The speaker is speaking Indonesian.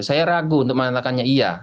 saya ragu untuk mengatakannya iya